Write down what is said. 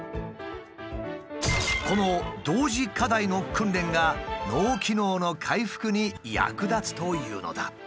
この同時課題の訓練が脳機能の回復に役立つというのだ。